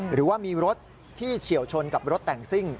หรือว่ามีรถที่เฉียวชนกับรถแต่งซิ่ง